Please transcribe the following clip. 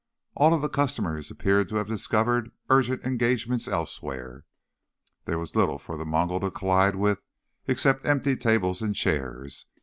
All of the customers appeared to have discovered urgent engagements elsewhere. There was little for the Mongol to collide with except empty tables and chairs.